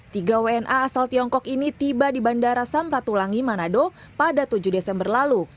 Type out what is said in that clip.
tiga wna asal tiongkok ini tiba di bandara samratulangi manado pada tujuh desember lalu